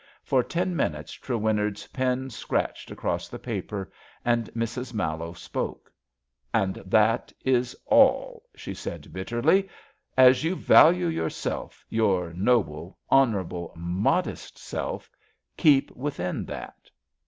For ten minutes Trewinnard's pen scratched across the paper, and Mrs. Mallowe spoke. And that is all/' she said bitterly. As you value yourself — ^your noble, honourable, modest self — keep within that.''